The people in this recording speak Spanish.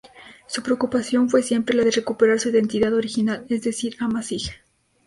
Su preocupación fue siempre la de recuperar su identidad original, es decir amazigh.